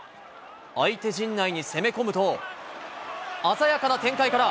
相手陣内に攻め込むと、鮮やかな展開から、